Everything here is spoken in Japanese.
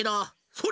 それ！